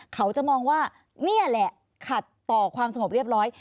เขาจะมองว่านี่แหละขัดต่อความสงบเรียบร้อย